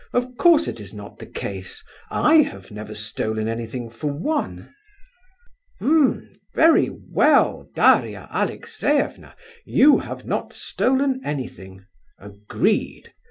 "Of course it is not the case. I have never stolen anything, for one." "H'm! very well, Daria Alexeyevna; you have not stolen anything—agreed.